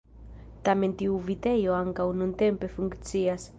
Tamen tiu vitejo ankaŭ nuntempe funkcias.